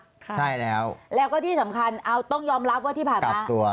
ใช่แล้วแล้วก็ที่สำคัญเอาต้องยอมรับว่าที่ผ่านมาตัว